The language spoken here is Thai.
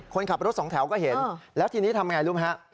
คนขับรถสองแถวก็เห็นแล้วทีนี้ทำไงรู้ไหมฮะ